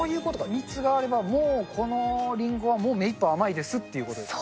蜜があればもうこのりんごは、もう目いっぱい甘いってことですか？